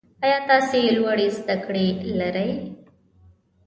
ایا تاسو لوړې زده کړې لرئ؟